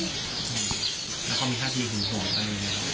แล้วเขามีท่าที่ห่วงห่วงไปไหน